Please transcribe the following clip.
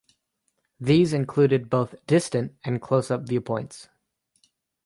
These included both distant and close-up viewpoints.